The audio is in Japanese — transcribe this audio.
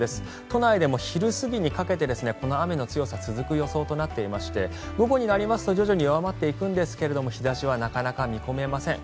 都内でも昼過ぎにかけてこの雨の強さが続く予想となっていまして午後になりますと徐々に弱まっていくんですが日差しはなかなか見込めません。